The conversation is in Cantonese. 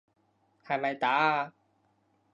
係咪打啊？